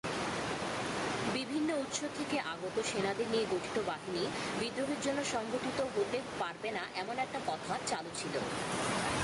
বিভিন্ন উৎস থেকে আগত সেনাদের নিয়ে গঠিত বাহিনী বিদ্রোহের জন্য সংগঠিত হতে পারবে না এমন একটা কথা চালু ছিল।